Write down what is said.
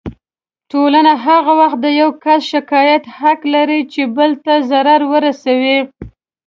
ټولنه هغه وخت د يو کس شکايت حق لري چې بل ته ضرر ورسوي.